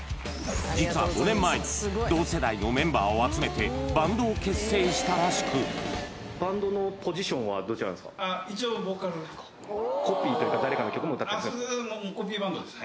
実は５年前に同世代のメンバーを集めてバンドを結成したらしくコピーというかです